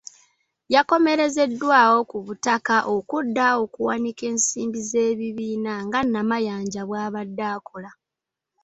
Yakomezeddwawo ku butaka okudda okuwanika ensimbi z’ekibiina nga Namayanja bw’abadde akola.